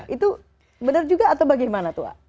itu benar juga atau bagaimana tuh